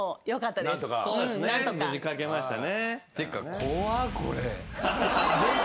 無事書けましたね。